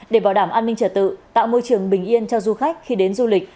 để bảo đảm an ninh trở tự tạo môi trường bình yên cho du khách khi đến du lịch